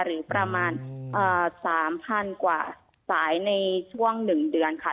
หรือประมาณ๓๐๐๐กว่าสายในช่วง๑เดือนค่ะ